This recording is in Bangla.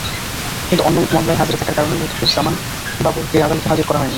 কিন্তু অন্য মামলায় হাজিরা থাকার কারণে লুৎফুজ্জামান বাবরকে আদালতে হাজির করা হয়নি।